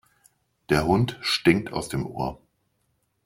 Der Hund stinkt aus dem Ohr.